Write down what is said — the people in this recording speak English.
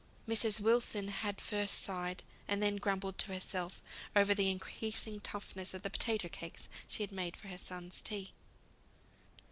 Mrs. Wilson had first sighed, and then grumbled to herself, over the increasing toughness of the potato cakes she had made for her son's tea.